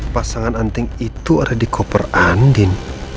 pasangan anting itu ada di koper andin